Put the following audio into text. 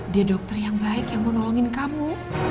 dia dokter yang baik yang mau nolongin kamu